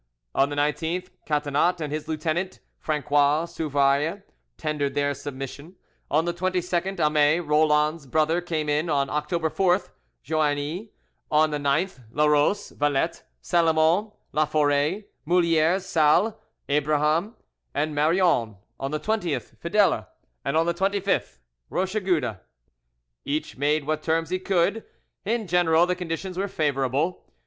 On the 19th, Catinat and his lieutenant, Franqois Souvayre, tendered their submission; on the 22nd, Amet, Roland's brother, came in; on October 4th, Joanny; on the 9th, Larose, Valette, Salomon, Laforet, Moulieres, Salles, Abraham and Marion; on the 20th, Fidele; and on the 25th, Rochegude. Each made what terms he could; in general the conditions were favourable.